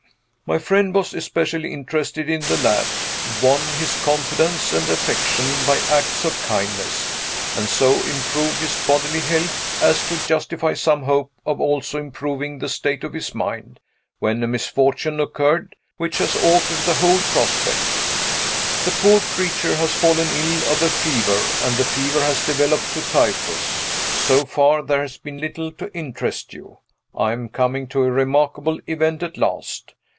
My friend was especially interested in the lad won his confidence and affection by acts of kindness and so improved his bodily health as to justify some hope of also improving the state of his mind, when a misfortune occurred which has altered the whole prospect. The poor creature has fallen ill of a fever, and the fever has developed to typhus. So far, there has been little to interest you I am coming to a remarkable event at last.